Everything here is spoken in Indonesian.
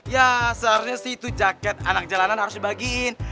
ya seharusnya sih itu jaket anak jalanan harus dibagiin